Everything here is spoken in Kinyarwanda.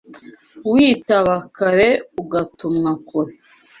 Witaba kare ugatumwa kure